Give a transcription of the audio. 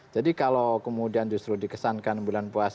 jadi kalau kemudian justru dikesankan bulan puasa